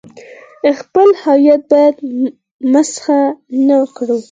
خپل هویت باید مسخ نه کړو.